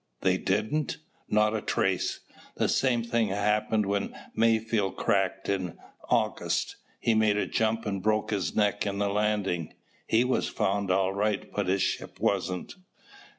"They didn't?" "Not a trace. The same thing happened when Mayfield cracked in August. He made a jump and broke his neck in landing. He was found all right, but his ship wasn't.